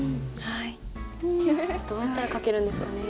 いやどうやったら書けるんですかね。